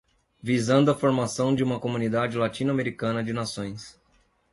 visando à formação de uma comunidade latino-americana de nações.